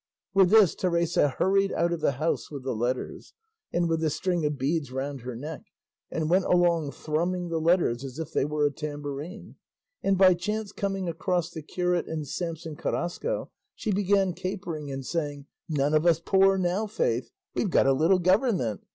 With this Teresa hurried out of the house with the letters, and with the string of beads round her neck, and went along thrumming the letters as if they were a tambourine, and by chance coming across the curate and Samson Carrasco she began capering and saying, "None of us poor now, faith! We've got a little government!